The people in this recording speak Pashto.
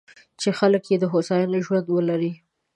چې خلک یې د هوساینې ژوند ولري.